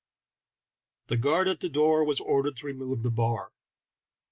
The guard at our door was ordered to remove the bar.